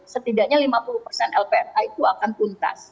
setidaknya lima puluh lpra itu akan puntas